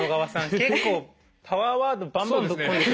結構パワーワードバンバンぶっ込んでくる。